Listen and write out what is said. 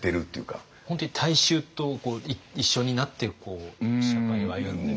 本当に大衆と一緒になって社会を歩んで。